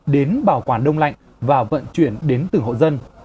đến bảo quản đông lạnh và vận chuyển đến từng hộ dân